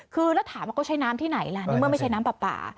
คือแล้วถามว่าเขาใช้น้ำที่ไหนล่ะในเมื่อไม่ใช่น้ำปลา